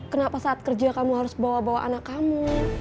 kenapa saat kerja kamu harus bawa bawa anak kamu